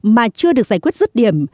mà chưa được giải quyết rứt điểm